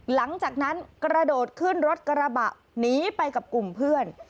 หลังจากนั้นกระโดดขึ้นรถกระบะหนีไปกับกลุ่มเพื่อน